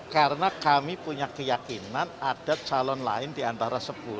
karena kami punya keyakinan ada calon lain di antara sepuluh